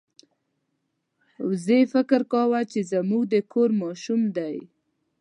وزې فکر کاوه چې زموږ د کور ماشوم دی.